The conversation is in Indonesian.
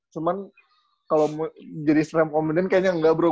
cuman kalo jadi stand up comedy kayaknya enggak bro